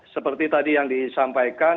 seperti tadi yang disampaikan